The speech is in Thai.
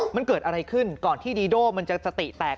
มันเกิดอะไรขึ้นก่อนที่ดีโดมันจะสติแตก